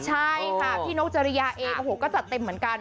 ใช่ค่ะพี่นกจริยาเองโอ้โหก็จัดเต็มเหมือนกัน